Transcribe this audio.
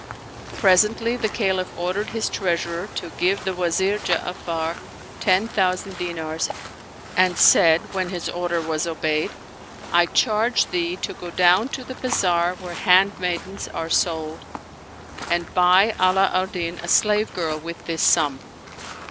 Presently the Caliph ordered his treasurer to give the Wazir Ja'afar ten thousand dinars and said, when his order was obeyed, " I charge thee to go down to the bazaar where handmaidens are sold and buy Ala al Din a slave girl with this sum."